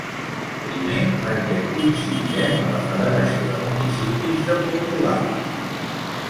Primer perquè coincidírem a la Federació de Municipis de Portugal.